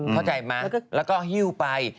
เข้าใจไหมแล้วก็หิ้วไป